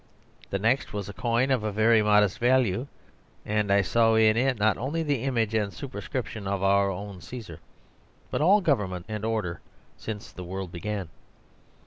The next was a coin of a very modest value; and I saw in it not only the image and superscription of our own Caesar, but all government and order since the world began.